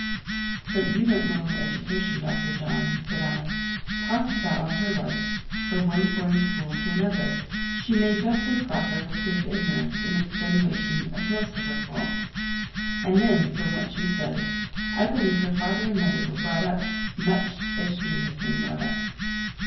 "But you don't know her education, Dr. John," said I. "Tossed about all her life from one foreign school to another, she may justly proffer the plea of ignorance in extenuation of most of her faults. And then, from what she says, I believe her father and mother were brought up much as she has been brought up."